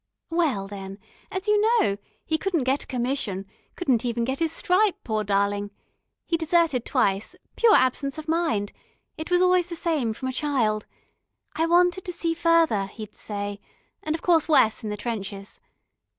Well, then, as you know, he couldn't get a commission, couldn't even get his stripe, poor darling. He deserted twice pure absence of mind it was always the same from a child 'I wanted to see further,' he'd say, and of course worse in the trenches.